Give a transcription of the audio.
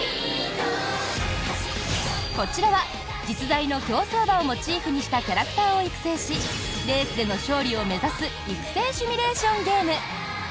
こちらは実在の競走馬をモチーフにしたキャラクターを育成しレースでの勝利を目指す育成シミュレーションゲーム。